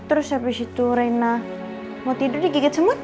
terus abis itu rena mau tidur digigit semut